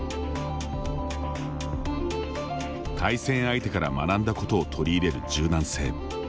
対戦相手から学んだことを取り入れる柔軟性。